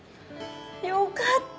よかった！